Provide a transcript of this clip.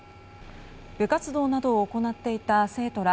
部活動などを行っていた生徒ら